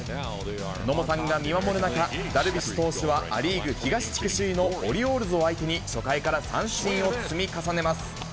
野茂さんが見守る中、ダルビッシュ投手はア・リーグ東地区首位のオリオールズを相手に、初回から三振を積み重ねます。